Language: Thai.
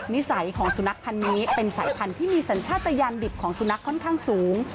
นิสัยของสุนัขพันธ์นี้เป็นสายพันธุ์ที่มีสัญชาติยานดิบของสุนัขค่อนข้างสูง